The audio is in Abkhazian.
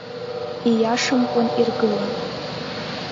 Ииашамкәан иргылан.